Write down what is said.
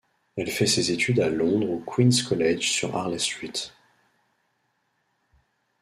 Elle fait ses études à Londres au Queen's College sur Harley Street.